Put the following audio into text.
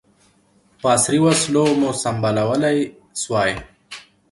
په عصري وسلو مو سمبالولای سوای.